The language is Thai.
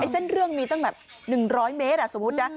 เส้นเรื่องมีตั้งแบบ๑๐๐เมตรสมมุตินะ